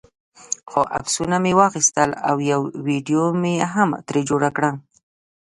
څو عکسونه مې واخیستل او یوه ویډیو مې هم ترې جوړه کړه.